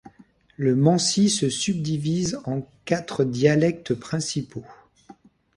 Le mansi se subdivise en quatre dialectes principaux.